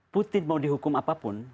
putin mau dihukum apapun